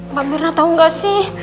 mbak mir gak tau gak sih